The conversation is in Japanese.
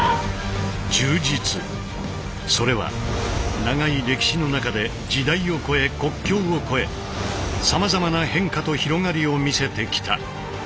それは長い歴史の中で時代をこえ国境をこえさまざまな変化と広がりを見せてきた。